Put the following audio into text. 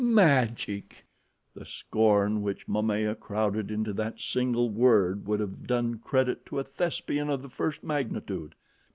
Magic!" The scorn which Momaya crowded into that single word would have done credit to a Thespian of the first magnitude.